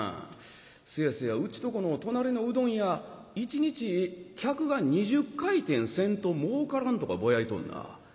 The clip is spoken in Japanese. せやせやうちとこの隣のうどん屋一日客が２０回転せんともうからんとかぼやいとんな。